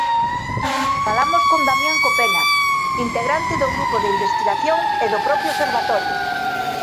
Falamos con Damián Copena, integrante do Grupo de Investigación e do propio Observatorio.